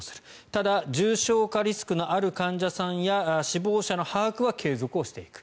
ただ、重症化リスクのある患者さんや死亡者の把握は継続をしていく。